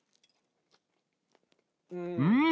うん。